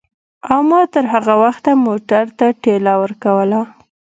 ما او تر هغه وخته موټر ته ټېله ورکوله.